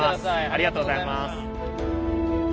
ありがとうございます。